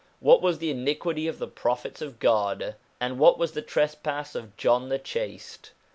What was the iniquity of the Prophets of God, and what was the trespass of John the Chaste